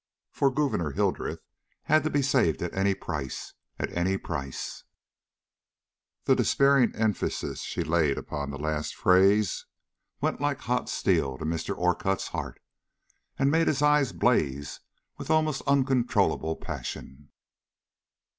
For Gouverneur Hildreth had to be saved at any price at any price." The despairing emphasis she laid upon the last phrase went like hot steel to Mr. Orcutt's heart, and made his eyes blaze with almost uncontrollable passion.